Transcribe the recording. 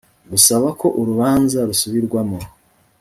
gusaba ko urubanza rusubirwamo